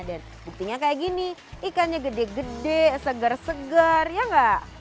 dan buktinya kayak gini ikannya gede gede segar segar ya enggak